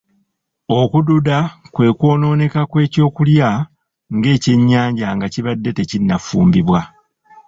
Okududa kwe kwonooneka kw’ekyokulya ng’ekyennyanja nga kibadde tekinnafumbibwa.